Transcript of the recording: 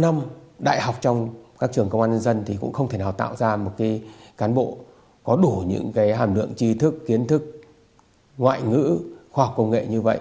nhưng đại học trong các trường công an nhân dân thì cũng không thể nào tạo ra một cán bộ có đủ những hàm lượng trí thức kiến thức ngoại ngữ khoa học công nghệ như vậy